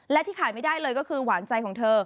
และที่ขาดไม่ได้เลยก็คือหวานใจของเธอ